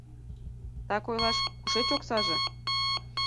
— Так ойлаш, кушеч оксаже?